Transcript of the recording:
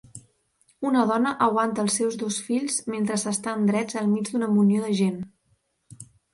una dona aguanta els seus dos fills mentre s'estan drets al mig d'una munió de gent.